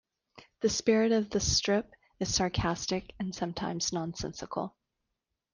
The spirit of the strip is sarcastic, and sometimes nonsensical.